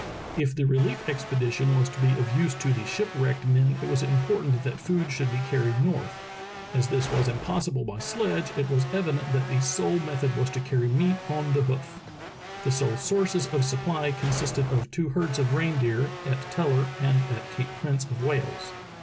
If the relief expedition was to be of use to the ship wrecked men it was important that food should be car ried north. As this was impossible by sledge, it was evident that the sole method was to carry meat on the hoof. The sole sources of supply consisted of two herds of reindeer, at Teller and at Cape Prince of Wales.